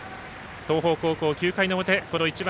東邦高校、９回の表１番